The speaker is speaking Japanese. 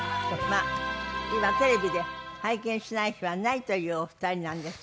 今テレビで拝見しない日はないというお二人なんですけども。